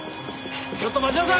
ちょっと待ちなさい！